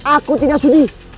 aku tidak sudi